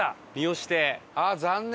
あっ残念。